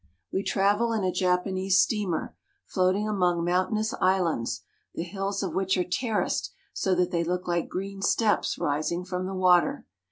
We travel in a Japanese steamer, floating among mountainous islands, the hills of which are terraced so that they look like green steps rising from the water.